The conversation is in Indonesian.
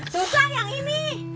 susah yang ini